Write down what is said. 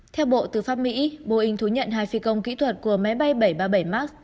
theo bộ tư pháp mỹ boeing thú nhận hai phi công kỹ thuật của máy bay bảy trăm ba mươi bảy max